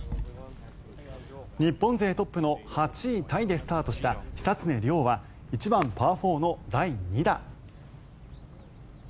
日本勢トップの８位タイでスタートした久常涼は１番、パー４の第２打。